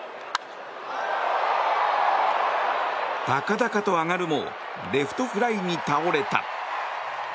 高々と上がるもレフトフライに倒れた。